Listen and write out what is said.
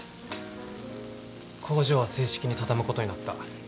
工場は正式に畳むことになった。